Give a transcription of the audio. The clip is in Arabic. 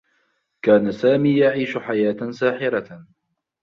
كان سامي يعيش حياة ساحرة.